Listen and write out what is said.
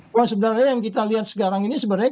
kalau sebenarnya yang kita lihat sekarang ini sebenarnya